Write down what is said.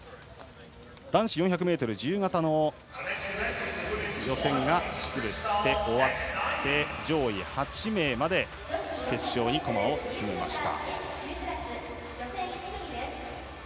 男子４００ｍ自由形の予選がすべて終わって上位８名までが決勝に駒を進めました。